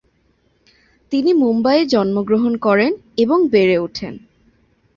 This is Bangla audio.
তিনি মুম্বাইয়ে জন্মগ্রহণ করেন এবং বেড়ে ওঠেন।